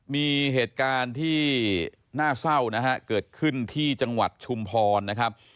มีเหตุการณ์ที่น่าเศร้านะฮะเกิดขึ้นที่จังหวัดชุมพรนะครับ